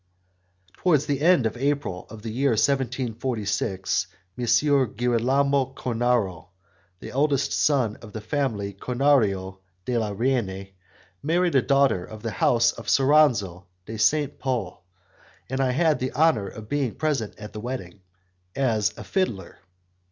Towards the middle of April of the year 1746 M. Girolamo Cornaro, the eldest son of the family Cornaro de la Reine, married a daughter of the house of Soranzo de St. Pol, and I had the honour of being present at the wedding as a fiddler.